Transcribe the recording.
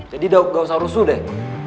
jadi gausah rusuh deh